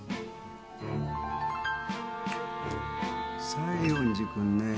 西園寺君ねえ。